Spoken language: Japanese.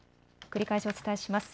繰り返しお伝えします。